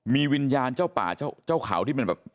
มีวิญญาณเจ้าป่าเจ้าเขาที่มันแบบ